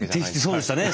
そうでしたね。